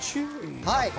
はい。